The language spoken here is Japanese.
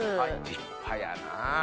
立派やな！